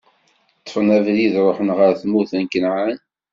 Ṭṭfen abrid, ṛuḥen ɣer tmurt n Kanɛan.